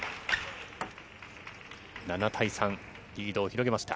７対３、リードを広げました。